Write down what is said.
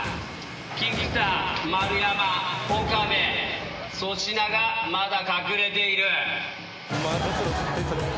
菊田丸山岡部粗品がまだ隠れている。